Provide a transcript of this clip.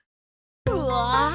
うわ！